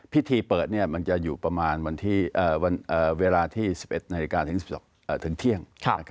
พิธีเปิดมันจะอยู่ประมาณเวลาที่๑๑นาฬิกาถึงเที่ยง